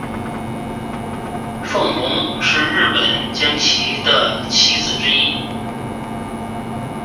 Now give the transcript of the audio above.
风龙是日本将棋的棋子之一。